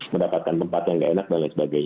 mendapatkan tempat yang gak enak dan lain sebagainya